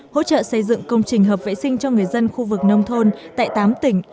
hỗ trợ xây dựng công trình hợp vệ sinh cho người dân khu vực nông thôn tại tám tỉnh